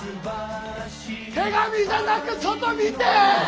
手紙じゃなく外見て！